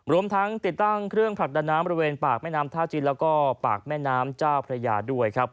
รวมทั้งติดตั้งเครื่องผลักดันน้ำบริเวณปากแม่น้ำท่าจีนแล้วก็ปากแม่น้ำเจ้าพระยาด้วยครับ